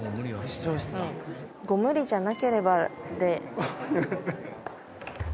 ご無理じゃなければで。